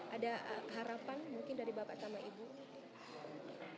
ada harapan mungkin dari bapak sama ibu